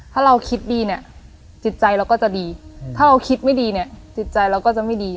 ถ้าเราคิดดีเนี่ยจิตใจเราก็จะดีถ้าเราคิดไม่ดีเนี่ยจิตใจเราก็จะไม่ดี